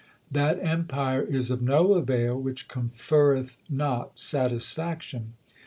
That empire is of no avail which conferreth not satisfaction.